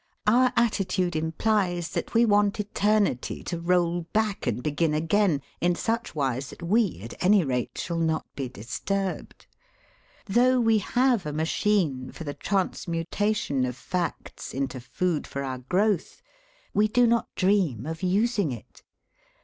Our attitude implies that we want eternity to roll back and begin again, in such wise that we at any rate shall not be disturbed. Though we have a machine for the transmutation of facts into food for our growth, we do not dream of using it.